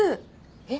えっ？